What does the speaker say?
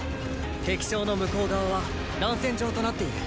敵将の向こう側は乱戦場となっている。